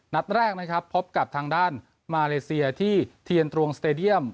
นัดแรกนะครับพบกับทางด้านมาเลเซียที่เทียนตรงสเตดียม